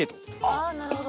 ああなるほど。